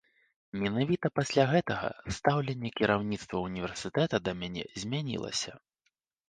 Менавіта пасля гэтага стаўленне кіраўніцтва універсітэта да мяне змянілася.